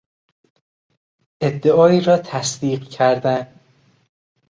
ادعایی را تصدیق کردن